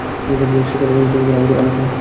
সেখানে আমাদের আলাপ হয়।